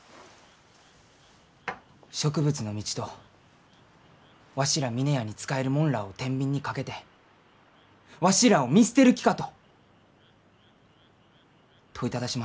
植物の道とわしら峰屋に仕える者らあをてんびんにかけて「わしらあを見捨てる気か？」と問いただしました。